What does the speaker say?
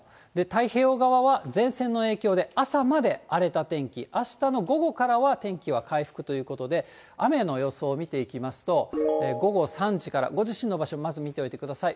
太平洋側は、前線の影響で、朝まで荒れた天気、あしたの午後からは天気は回復ということで、雨の予想見ていきますと、午後３時からご自身の場所、まず見ておいてください。